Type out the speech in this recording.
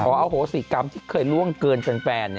พออาโหสิกรรมที่เคยล่วงเกินเป็นแฟน